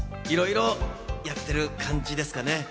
いろいろやってる感じなんですよね。